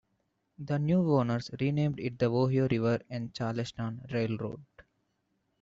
The new owners renamed it the Ohio River and Charleston Railroad.